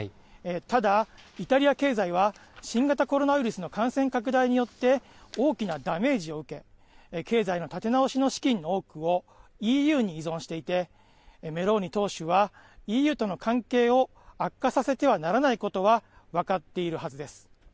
ただ、イタリア経済は新型コロナウイルスの感染拡大によって大きなダメージを受け、経済の立て直しの資金の多くをＥＵに依存していて、メローニ党首はＥＵとの関係を悪化させてはならないことは分かっているはずです。